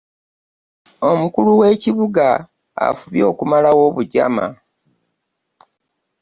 Omukulu w'ekibuga afubye okumalawo obujama.